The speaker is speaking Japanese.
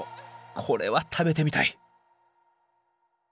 これは食べてみたい。